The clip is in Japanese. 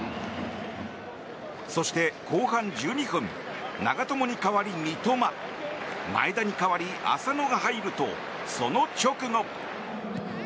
そして、後半１２分長友に代わり三笘前田に代わり浅野が入るとその直後。